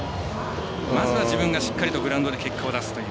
まずは自分がしっかりとグラウンドで結果を出すと。